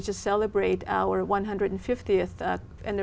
cho các cộng đồng